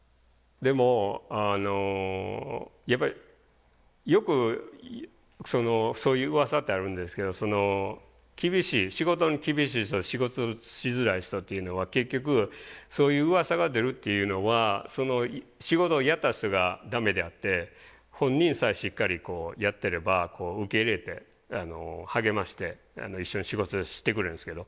でもやっぱりよくそういううわさってあるんですけど厳しい仕事に厳しい人で仕事しづらい人っていうのは結局そういううわさが出るっていうのはその仕事をやった人がダメであって本人さえしっかりやってれば受け入れて励まして一緒に仕事してくれるんですけど。